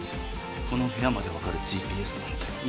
この部屋まで分かるＧＰＳなんて。